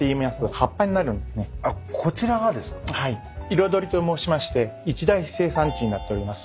彩と申しまして一大生産地になっております。